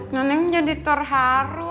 nenek jadi terharu